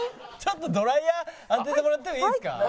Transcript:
ちょっとドライヤー当ててもらってもいいですか？